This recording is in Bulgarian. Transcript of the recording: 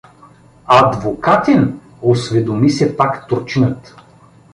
— Адвокатин? — осведоми се пак турчинът.